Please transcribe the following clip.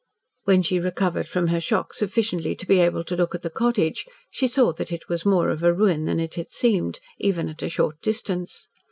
When she recovered from her shock sufficiently to be able to look at the cottage, she saw that it was more of a ruin than it had seemed, even at a short distance.